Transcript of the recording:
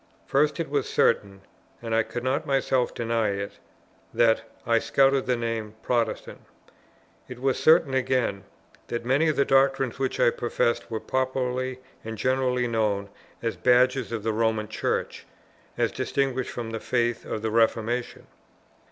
First it was certain, and I could not myself deny it, that I scouted the name "Protestant." It was certain again, that many of the doctrines which I professed were popularly and generally known as badges of the Roman Church, as distinguished from the faith of the Reformation.